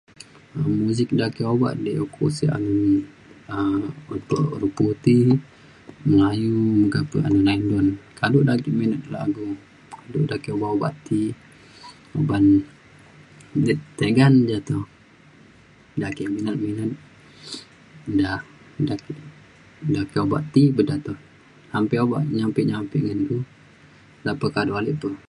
muzik ja ake obak di uko sik anun um un pe orang puti, melayu meka pe anun indon. kado de aku minat lagu du de ake obak obak ti uban tiga ne ja to ja ake minat minat ja ja ake obak ti peda to. naam pe obak nyampe nyampe ngan du nta pe kado ale pe